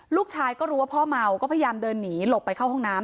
ลูกชายก็รู้ว่าพ่อเมาก็พยายามเดินหนีหลบไปเข้าห้องน้ำ